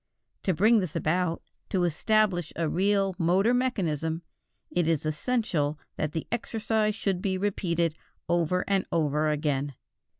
To bring this about, to establish a real motor mechanism, it is essential that the exercise should be repeated over and over again.